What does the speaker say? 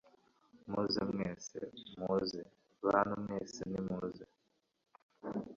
muze mwese, muze (bantu mwese nimuze